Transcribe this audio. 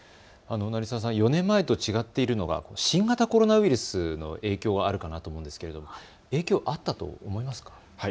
４年前と違っているのは新型コロナウイルスの影響があるかなと思うんですが影響はあったと思いますか。